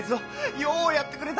ようやってくれた！